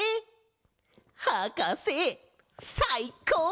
はかせさいこう！